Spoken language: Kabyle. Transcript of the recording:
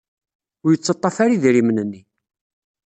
Ur yettaḍḍaf ara idrimen-nni.